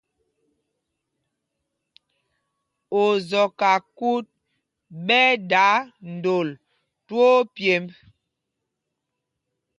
Ozɔkákût ɓɛ́ ɛ́ dā ndôl twóó pyêmb.